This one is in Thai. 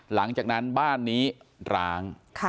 หลังจากนั้นบ้านนี้ร้าง